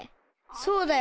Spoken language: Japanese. そうだよ。